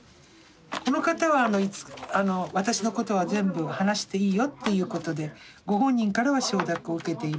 この方は私のことは全部話していいよっていうことでご本人からは承諾を受けている方です。